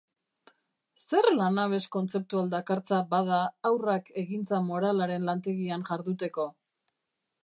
Zer lanabes kontzeptual dakartza, bada, haurrak egintza moralaren lantegian jarduteko?